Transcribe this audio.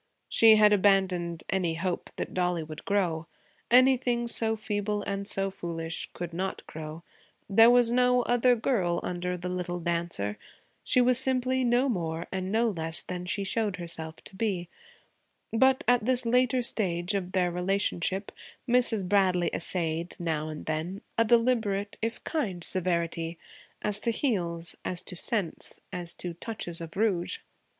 She had abandoned any hope that Dollie would grow: anything so feeble and so foolish could not grow; there was no other girl under the little dancer; she was simply no more and no less than she showed herself to be; but, at this later stage of their relationship, Mrs. Bradley essayed, now and then, a deliberate if kindly severity as to heels, as to scents, as to touches of rouge.